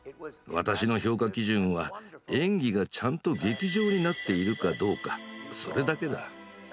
私の評価基準は演技がちゃんと「劇場」になっているかどうかそれだけだ。